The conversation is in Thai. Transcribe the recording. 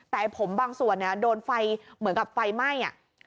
แต่ผมบางส่วนโดนไฟเหมือนกับไฟไหม้